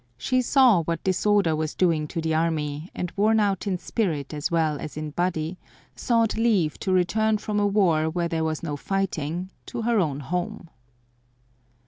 She saw what disorder was doing to the army, and worn out in spirit as well as in body, sought leave to return from a war where there was no fighting to her own home.